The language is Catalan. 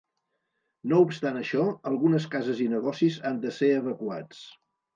No obstant això, algunes cases i negocis han de ser evacuats.